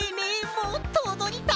もっとおどりたい！